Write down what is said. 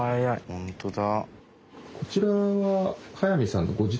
本当だ。